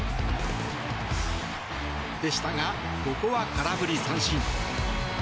でしたが、ここは空振り三振。